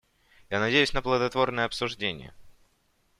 Я надеюсь на плодотворное обсуждение.